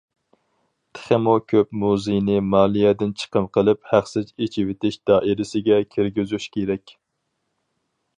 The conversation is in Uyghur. تېخىمۇ كۆپ مۇزېينى مالىيەدىن چىقىم قىلىپ ھەقسىز ئېچىۋېتىش دائىرىسىگە كىرگۈزۈش كېرەك.